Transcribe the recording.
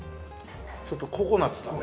ちょっとココナッツだね。